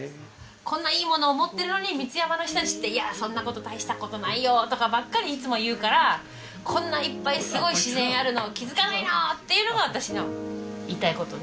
こんないいものを持ってるのに三ツ山の人たちって「そんな事大した事ないよ」とかばっかりいつも言うから「こんないっぱいすごい自然あるの気づかないの！？」っていうのが私の言いたい事で。